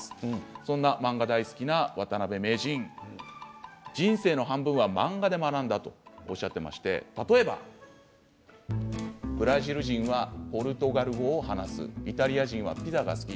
そんな漫画大好きな渡辺名人人生の半分は漫画で学んだとおっしゃっていまして、例えばブラジル人はポルトガル語を話すイタリア人はピザが好き